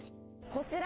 こちら。